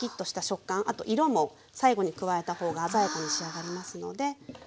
あと色も最後に加えた方が鮮やかに仕上がりますので。